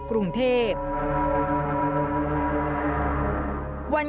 สุดท้าย